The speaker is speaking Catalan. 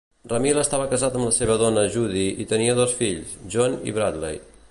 Ramil estava casat amb la seva dona Judy, i tenia dos fills, Jon i Bradley.